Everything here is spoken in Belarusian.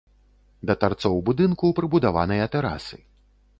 Да тарцоў будынку прыбудаваныя тэрасы.